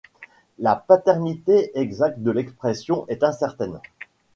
La paternité exacte de l'expression est incertaine.